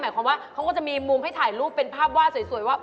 หมายความว่าเขาก็จะมีมุมให้ถ่ายรูปเป็นภาพวาดสวยว่า